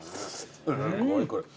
すごいこれ。